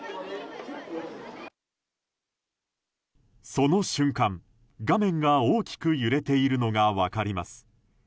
その瞬間、画面が大きく揺れているのが分かります。